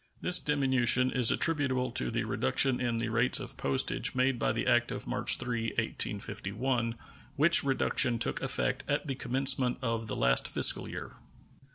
This diminution is attributable to the reduction in the rates of postage made by the act of March 3, 1851, which reduction took effect at the commencement of the last fiscal year.